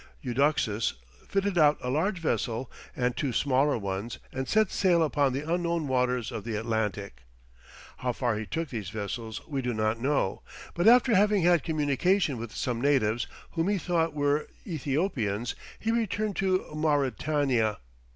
Eudoxus fitted out a large vessel and two smaller ones, and set sail upon the unknown waters of the Atlantic. How far he took these vessels we do not know, but after having had communication with some natives, whom he thought were Ethiopians, he returned to Mauritania.